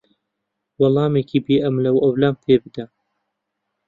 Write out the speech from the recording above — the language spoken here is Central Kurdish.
وەڵامێکی بێ ئەملاوئەولام پێ بدە.